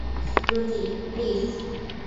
Rosie, please!